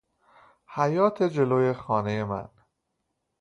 حیاط جلو خانهی من